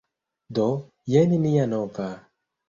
Do, jen nia nova...